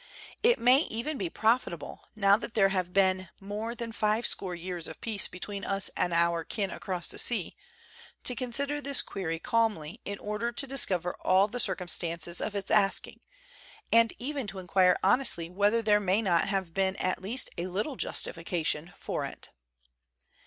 It may even be profitable, now that there have been more than five score years of peace between us and our kin across the sea, to consider this query calmly hi order to dis cover all the circumstances of its asking, and to inquire honestly whether there may not have been at least a little justification for it.